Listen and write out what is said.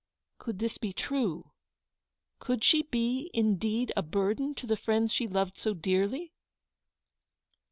Could this be true? Could she be indeed a burden to the friends she loved so dearly